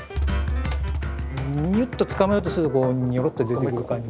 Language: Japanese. ムニュっと捕まえようとするとこうニョロって出てくる感じ。